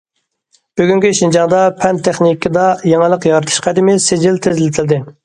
بۈگۈنكى شىنجاڭدا، پەن- تېخنىكىدا يېڭىلىق يارىتىش قەدىمى سىجىل تېزلىتىلدى.